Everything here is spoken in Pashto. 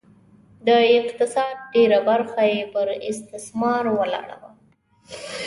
د اقتصاد ډېره برخه یې پر استثمار ولاړه وه